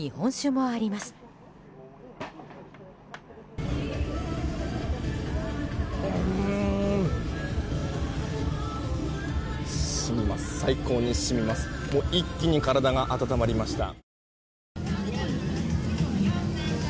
もう一気に体が温まりました。